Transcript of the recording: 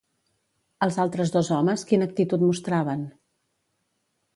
Els altres dos homes quina actitud mostraven?